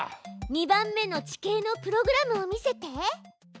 ２番目の地形のプログラムを見せて。